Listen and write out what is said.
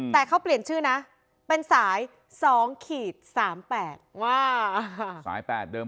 แต่เขาเปลี่ยนชื่อนะเป็นสายสองขีดสามแปดว้าวสายแปดเดิม